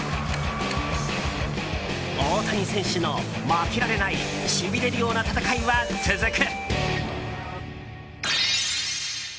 大谷選手の負けられないしびれるような戦いは続く。